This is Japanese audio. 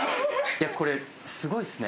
いやこれすごいっすね。